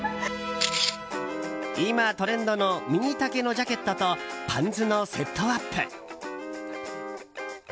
今、トレンドのミニ丈のジャケットとパンツのセットアップ。